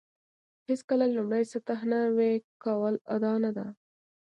هېڅکله لومړۍ سطح نوي کول ادعا نه ده.